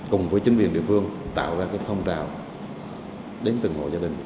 cùng với chính viên địa phương tạo ra phong trào đến từng hộ gia đình